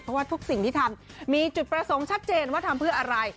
เพราะว่าทุกสิ่งที่ทำมีจุดประสงค์ชัดเจนว่าทำเพื่ออะไร